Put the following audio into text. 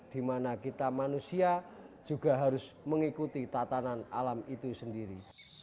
di mana kita manusia juga harus mengikuti tatanan alam itu sendiri